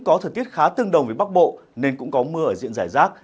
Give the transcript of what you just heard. có thời tiết khá tương đồng với bắc bộ nên cũng có mưa ở diện giải rác